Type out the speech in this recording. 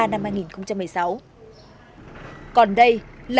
còn đây là hình ảnh của lực lượng công an